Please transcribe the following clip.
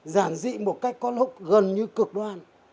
giản dị một cách có lúc gần như cực đoan